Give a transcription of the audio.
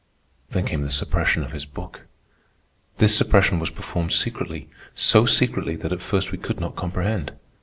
Then came the suppression of his book. This suppression was performed secretly, so secretly that at first we could not comprehend.